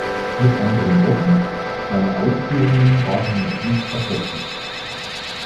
Mit anderen Worten, meine Ausführungen waren noch nicht erschöpfend.